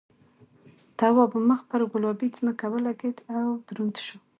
تواب مخ پر گلابي ځمکه ولگېد او دروند شو.